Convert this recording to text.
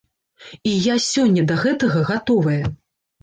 І я сёння да гэтага гатовая.